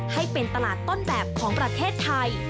ให้เป็นตลาดต้นแบบของประเทศไทย